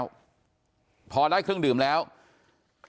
อยู่ดีมาตายแบบเปลือยคาห้องน้ำได้ยังไง